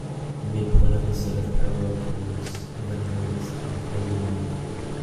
The midpoints of a set of parallel chords of an ellipse are collinear.